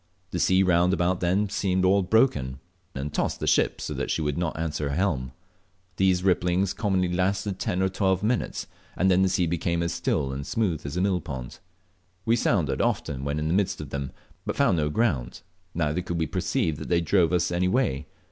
The sea round about them seemed all broken, and tossed the ship so that she would not answer her helm. These ripplings commonly lasted ten or twelve minutes, and then the sea became as still and smooth as a millpond. We sounded often when in the midst of them, but found no ground, neither could we perceive that they drove us any way.